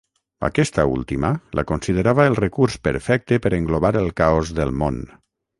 Aquesta última la considerava el recurs perfecte per englobar el caos del món.